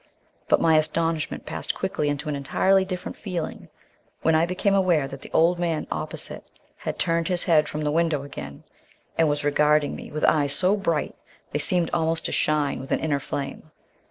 But my astonishment passed quickly into an entirely different feeling when I became aware that the old man opposite had turned his head from the window again, and was regarding me with eyes so bright they seemed almost to shine with an inner flame.